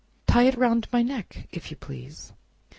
Tie it around my neck, if you please."